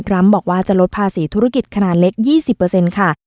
บอกว่าจะลดภาษีธุรกิจขนาดเล็ก๒๐ค่ะ